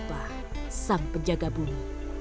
dan usif sang penjaga bumi